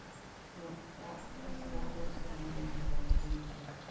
North Platte has not hosted another minor league team.